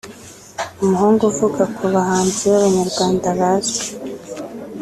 umuhungu uvuka ku bahanzi b’Abanyarwanda bazwi